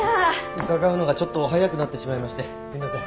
伺うのがちょっと早くなってしまいましてすみません。